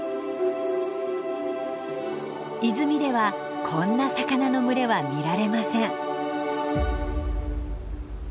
泉ではこんな魚の群れは見られません。